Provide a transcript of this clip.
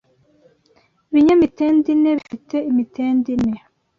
Ibinyamitende ine bifite imitende ine